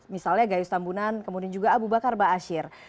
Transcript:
misalnya gayus tambunan kemudian juga abu bakar ba'asyir